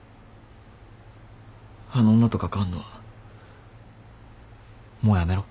あの女と関わんのはもうやめろ。